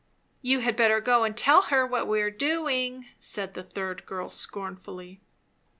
"You had better go and tell her what we are doing," said the third girl scornfully.